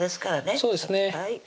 そうですね